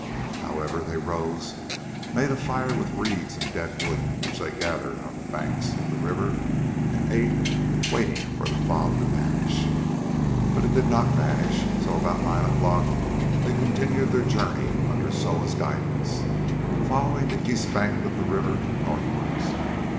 However, they rose, made a fire with reeds and dead wood which they gathered on the banks of the river, and ate, waiting for the fog to vanish. But it did not vanish, so about nine o'clock they continued their journey under Soa's guidance, following the east bank of the river northwards.